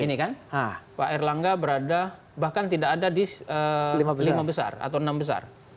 ini kan pak erlangga berada bahkan tidak ada di lima besar atau enam besar